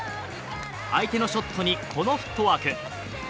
相手のショットにこのフットワーク。